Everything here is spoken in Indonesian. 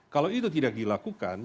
kalau itu tidak dilakukan